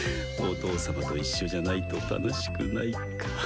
「お父様と一緒じゃないと楽しくない」か。